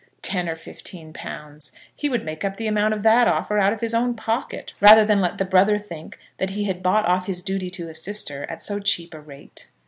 Ten or fifteen pounds! He would make up the amount of that offer out of his own pocket rather than let the brother think that he had bought off his duty to a sister at so cheap a rate.